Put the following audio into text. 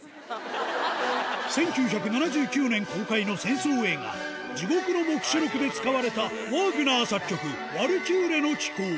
１９７９年公開の戦争映画、地獄の黙示録で使われた、ワーグナー作曲、ワルキューレの騎行。